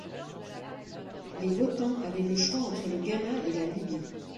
Les votants avaient le choix entre le Ghana et la Libye.